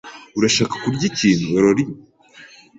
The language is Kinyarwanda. Urashaka kurya ikintu, Laurie?